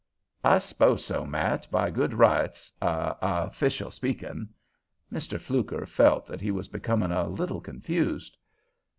"I s'pose so, Matt, by good rights, a—a official speakin'." Mr. Fluker felt that he was becoming a little confused.